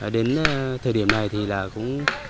đến thời điểm này thì là cũng